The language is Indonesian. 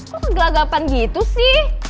kok kegelagapan gitu sih